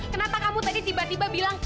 kenapa kamu tadi tiba tiba bilang